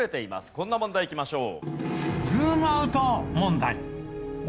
こんな問題いきましょう。